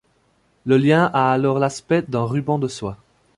Le lien a alors l'aspect d'un ruban de soie.